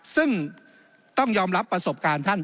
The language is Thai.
ซึ่งต้องยอมรับประสบการณ์ท่าน